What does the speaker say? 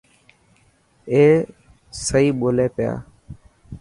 اي سئي ٻولي پيا.